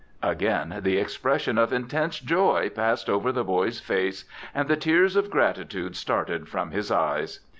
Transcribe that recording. Again the expression of intense joy passed over the boy's face, and the tears of gratitude started from his eyes.